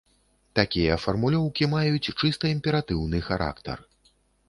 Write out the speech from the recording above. Такія фармулёўкі маюць чыста імператыўны характар.